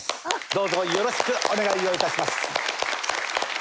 どうぞよろしくお願いを致します。